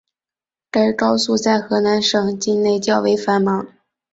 该高速在河南省境内较为繁忙。